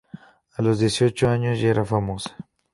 A los dieciocho años ya era famosa.